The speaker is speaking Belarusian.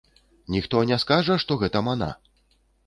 Ніхто не скажа, што гэта мана?